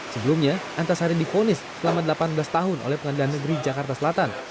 sebelumnya antasari difonis selama delapan belas tahun oleh pengadilan negeri jakarta selatan